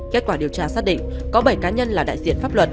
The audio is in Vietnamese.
kết quả điều tra xác định có bảy cá nhân là đại diện pháp luật